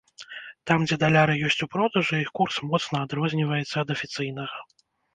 Там, дзе даляры ёсць у продажы, іх курс моцна адрозніваецца ад афіцыйнага.